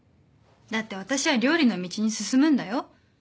だって私は料理の道に進むんだよ。